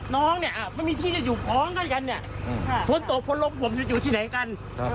น้องไม่มีที่อยู่พ้องด้วยกันฟ้นตกฟ้นลบฟ้นหวบจะอยู่ที่ไหนกัน